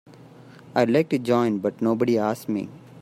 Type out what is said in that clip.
I'd like to join but nobody asked me.